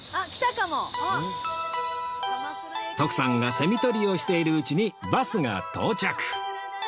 徳さんがセミとりをしているうちにバスが到着